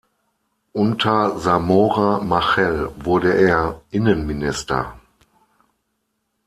Unter Samora Machel wurde er Innenminister.